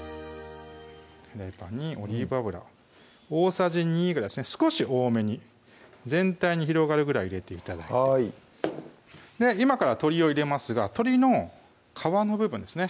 フライパンにオリーブ油大さじ２ぐらいですね少し多めに全体に広がるぐらい入れて頂いて今から鶏を入れますが鶏の皮の部分ですね